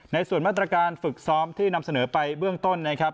ในส่วนมาตรการฝึกซ้อมที่นำเสนอไปเบื้องต้นนะครับ